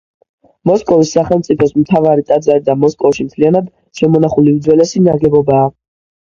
მოსკოვის სახელმწიფოს მთავარი ტაძარი და მოსკოვში მთლიანად შემონახული უძველესი ნაგებობაა.